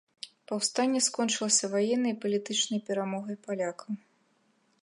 Паўстанне скончылася ваеннай і палітычнай перамогай палякаў.